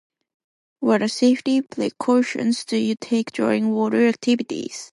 What are safety precautions do you take during water activities?